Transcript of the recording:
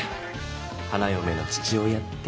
花よめの父親って。